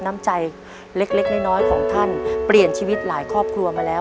น้ำใจเล็กเล็กน้อยของท่านเปลี่ยนชีวิตหลายครอบครัวมาแล้ว